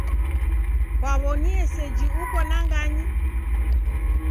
Kwaw'onie seji uko na nganyi?